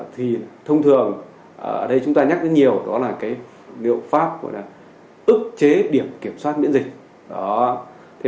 thì thông thường ở đây chúng ta nhắc đến nhiều đó là cái liệu pháp gọi là ức chế điểm kiểm soát miễn dịch